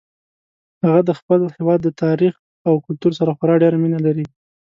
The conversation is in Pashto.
هغه د خپل هیواد د تاریخ او کلتور سره خورا ډیره مینه لري